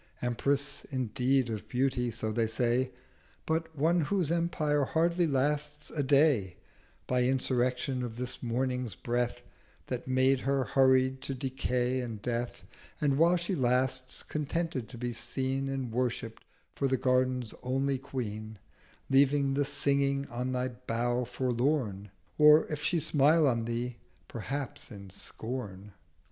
Empress indeed of Beauty, so they say, 230 But one whose Empire hardly lasts a Day, By Insurrection of the Morning's Breath That made her hurried to Decay and Death: And while she lasts contented to be seen, And worshipt, for the Garden's only Queen, Leaving thee singing on thy Bough forlorn, Or if she smile on Thee, perhaps in Scorn.'